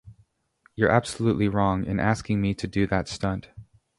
You're absolutely wrong in asking me to do that stunt.